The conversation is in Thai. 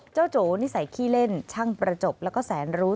โจนิสัยขี้เล่นช่างประจบแล้วก็แสนรู้